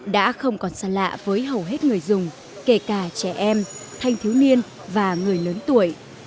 đã không còn xa lạ với hầu hết người dùng kể cả trẻ em thanh thiếu niên và người lớn tuổi